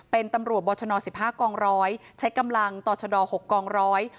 เป็นตำรวจบชน๑๕กองร้อยใช้กำลังต่อชด๖กองร้อย